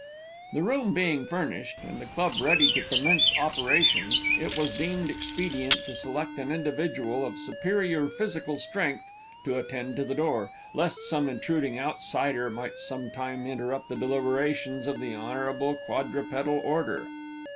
The room being furnished, and the club ready to commence operations, it was deemed expedient to select an individual of superior physical strength to attend to the door, lest some intruding outsider might sometime interrupt the deliberations of the honorable quadrupedal order.